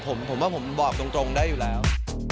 ผมว่าผมบอกตรงได้อยู่แล้ว